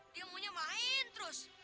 dia maunya main terus